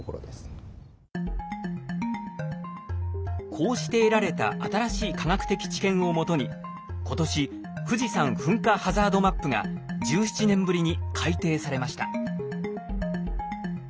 こうして得られた新しい科学的知見をもとに今年富士山噴火ハザードマップが１７年ぶりに改定されました。